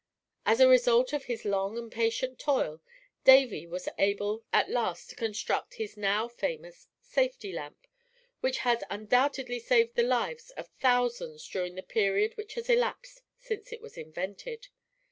As a result of his long and patient toil Davy was able at last to construct his now famous Safety Lamp, which has undoubtedly saved the lives of thousands during the period which has elapsed since it was invented.